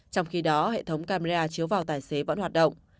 trong khi đó hệ thống camera chiếu vào tài xế vẫn hoạt động